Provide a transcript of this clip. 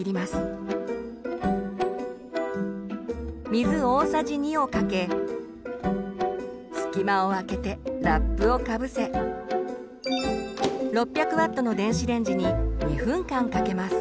水大さじ２をかけ隙間をあけてラップをかぶせ６００Ｗの電子レンジに２分間かけます。